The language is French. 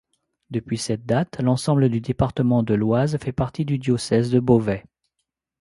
Depuis cette date, l'ensemble du département de l'Oise fait partie du diocèse de Beauvais.